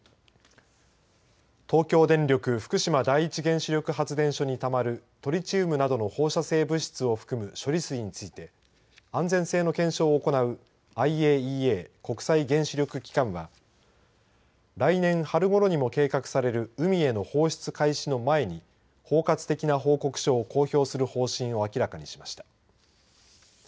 東京電力福島第一原子力発電所にたまるトリチウムなどの放射性物質を含む処理水について安全性の検証を行うＩＡＥＡ国際原子力機関は来年春ごろにも計画される海への放出開始の前に包括的な報告書を公表する方針を明らかにしました。